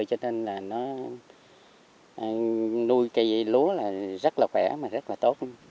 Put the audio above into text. cho nên nuôi cây lúa rất là khỏe rất là tốt